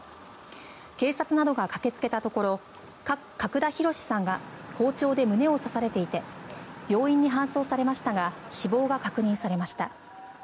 警察などが駆けつけたところ角田浩さんが包丁で胸を刺されていて病院に搬送されましたが死亡が確認されました。